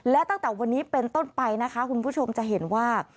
และตั้งแต่วันนี้เป็นต้นไปนะคะคุณผู้ชมจะเห็นว่า